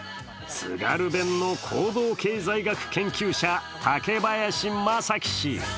津軽弁の行動経済学研究者竹林正樹氏。